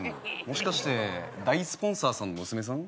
もしかして大スポンサーさんの娘さん？